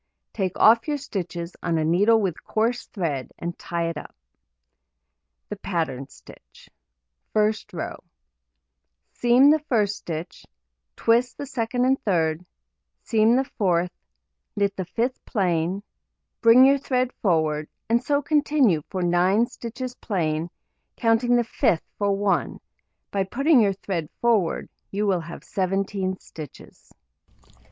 Take off your stitches on a needle with coarse thread, and tie it up. The pattern stitch: First row: Seam the 1st stitch, twist the 2d and 3d, seam the 4th, knit the 5th plain, bring your thread forward, and so continue for 9 stitches plain, counting the 5th for 1; by putting your thread forward, you will have 17 stitches.